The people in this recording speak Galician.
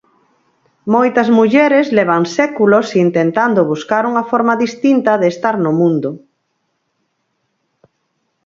Moitas mulleres levan séculos intentando buscar unha forma distinta de estar no mundo.